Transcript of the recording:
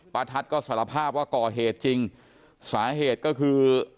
ทัศน์ก็สารภาพว่าก่อเหตุจริงสาเหตุก็คือ